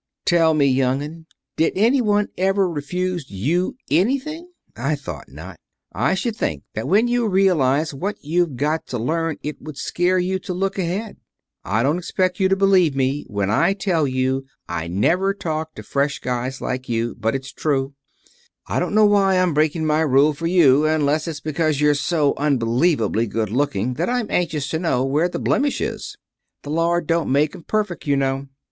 "Tell me, young 'un, did any one ever refuse you anything? I thought not. I should think that when you realize what you've got to learn it would scare you to look ahead. I don't expect you to believe me when I tell you I never talk to fresh guys like you, but it's true. I don't know why I'm breaking my rule for you, unless it's because you're so unbelievably good looking that I'm anxious to know where the blemish is. The Lord don't make 'em perfect, you know.